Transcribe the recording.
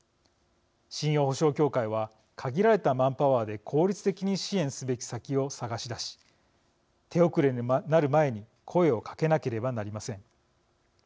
信用保証協会は限られたマンパワーで効率的に支援すべき先を探しだし手遅れになる前に声をかけなければなりません。